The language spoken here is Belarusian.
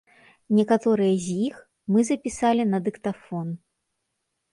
Некаторыя з іх мы запісалі на дыктафон.